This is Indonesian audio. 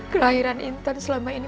kelahiran intan selama ini